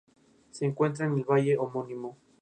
Se encuentra en el valle homónimo.